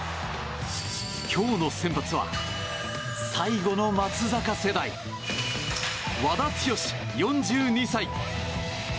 今日の先発は最後の松坂世代和田毅、４２歳。